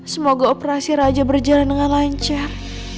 semoga operasi raja berjalan dengan lancar